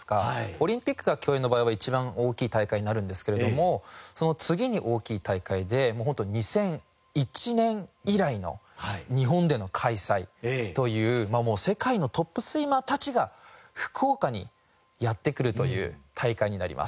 オリンピックが競泳の場合は一番大きい大会になるんですけれどもその次に大きい大会でもうホント２００１年以来の日本での開催という世界のトップスイマーたちが福岡にやって来るという大会になります。